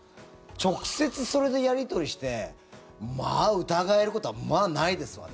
直接、それでやり取りして疑えることはまあ、ないですわね。